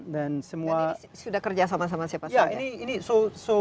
dan ini sudah kerjasama sama siapa saja